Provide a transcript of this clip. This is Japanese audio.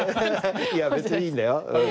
いや別にいいんだよ。